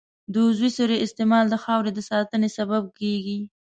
د عضوي سرې استعمال د خاورې د ساتنې سبب کېږي.